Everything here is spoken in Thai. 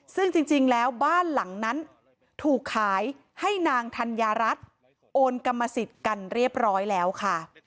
ซึ่งจริงแล้วบ้านหลังนั้นถูกขายให้นางธัญญารัฐโอนกรรมสิทธิ์กันเรียบร้อยแล้วค่ะ